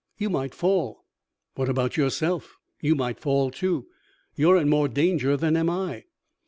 "You might fall." "What about yourself? You might fall, too. You are in more danger than am I."